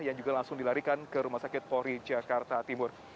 yang juga langsung dilarikan ke rumah sakit polri jakarta timur